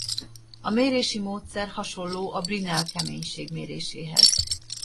A mérési módszer hasonló a Brinell-keménység méréséhez.